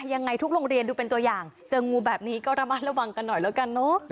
ยังไงทุกโรงเรียนดูเป็นตัวอย่างเจองูแบบนี้ก็ระมัดระวังกันหน่อยแล้วกันเนอะ